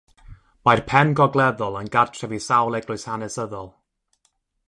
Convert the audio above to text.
Mae'r Pen Gogleddol yn gartref i sawl eglwys hanesyddol.